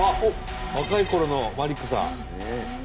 若いころのマリックさん。